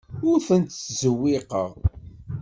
Ur ten-ttzewwiqeɣ.